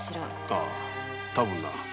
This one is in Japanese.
あぁ多分な。